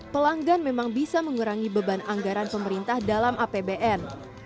pelanggan memang bisa mengurangi beban anggaran pemerintah dalam apbn